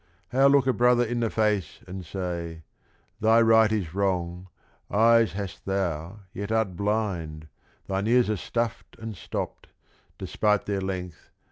How look a brother in the face and say 'Thy right is wrong, eyes hast thou yet art blind, Thine ears are stuffed and stopped, despite their length.